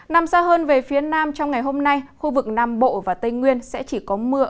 nằm xa hơn về phía nam trong ngày hôm nay khu vực nam bộ và tây nguyên sẽ chỉ có mưa